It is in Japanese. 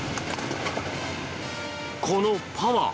このパワー。